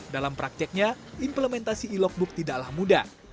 dalam prakteknya implementasi e logbook tidaklah mudah